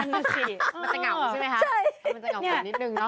มันจะเหงาก็ใช่ไหมคะ